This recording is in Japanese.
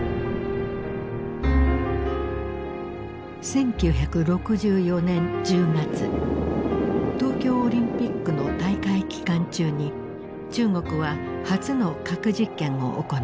１９６４年１０月東京オリンピックの大会期間中に中国は初の核実験を行った。